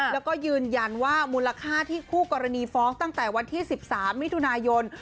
แล้วก็ยืนยันว่ามูลค่าที่คู่กรณีฟ้องตั้งแต่วันที่๑๓มิถุนายน